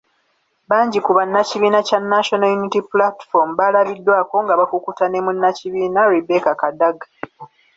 Bangi ku bannakibiina kya National Unity Platform baalabiddwako nga bakukuta ne munnakibiina Rebecca Kadaga .